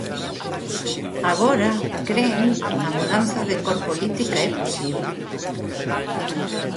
Agora, cren, a mudanza de cor política é posible.